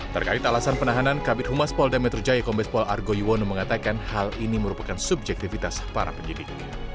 terkait alasan penahanan kabit humas pol damitru jaya kombes pol argo iwono mengatakan hal ini merupakan subjektivitas para penyidik